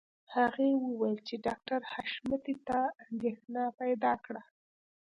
هغې وویل چې ډاکټر حشمتي ته اندېښنه پیدا کړه